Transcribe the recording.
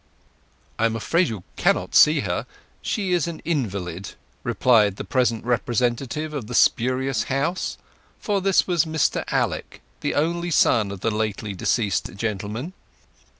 "I am afraid you cannot see her—she is an invalid," replied the present representative of the spurious house; for this was Mr Alec, the only son of the lately deceased gentleman.